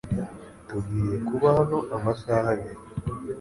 Tugiye kuba hano amasaha abiri.